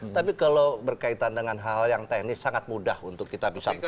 tapi kalau berkaitan dengan hal yang teknis sangat mudah untuk kita bisa lakukan